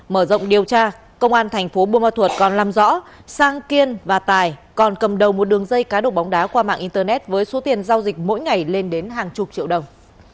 mở rộng điều tra công an thành phố buôn ma thuật còn làm rõ sang kiên và tài còn cầm đầu một đường dây cá độ bóng đá qua mạng internet với số tiền giao dịch mỗi ngày lên đến hàng chục triệu đồng